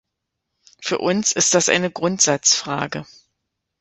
Für uns ist das eine Grundsatzfrage.